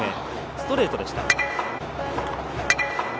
ストレートでした。